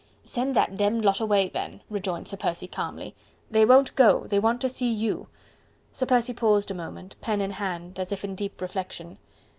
"Send that demmed lot away, then," rejoined Sir Percy calmly. "They won't go.... They want to see you..." Sir Percy paused a moment, pen in hand, as if in deep reflection.